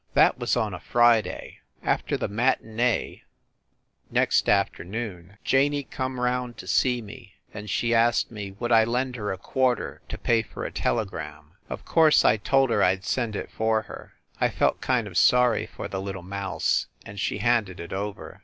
That was on a Friday. After the matinee next aft i8o FIND THE WOMAN ernoon, Janey come round to see me, and she asked me would I lend her a quarter to pay for a telegram. Of course I told her I d send it for her. I felt kind of sorry for the little mouse, and she handed it over.